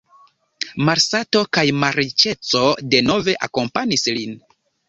Malsato kaj malriĉeco denove akompanis lin.